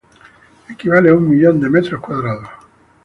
Equivale a un millón de metros cuadrados.